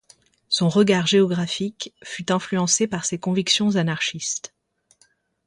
Son regard géographique fut influencé par ses convictions anarchistes.